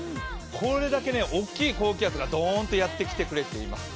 これだけ大きい高気圧がドンとやって来てくれています。